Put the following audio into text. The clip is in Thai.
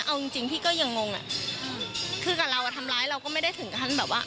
เอาจริงจริงพี่ก็ยังงงอ่ะคือกับเราอ่ะทำร้ายเราก็ไม่ได้ถึงกับท่านแบบว่า